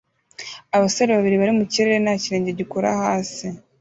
Abasore babiri bari mu kirere nta kirenge gikora hasi